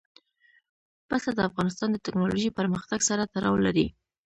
پسه د افغانستان د تکنالوژۍ پرمختګ سره تړاو لري.